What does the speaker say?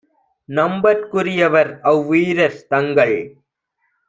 நம்பற்க் courier அவ்வீரர் - தங்கள்